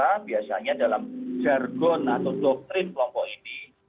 karena biasanya dalam jargon atau doktrin kelompok ini